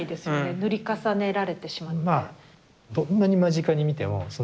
塗り重ねられてしまって。